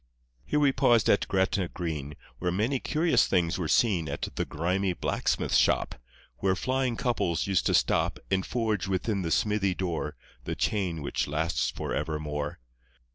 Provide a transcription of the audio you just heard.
Here we paused at Gretna Green, Where many curious things were seen At the grimy blacksmith's shop, Where flying couples used to stop And forge within the smithy door The chain which lasts for evermore.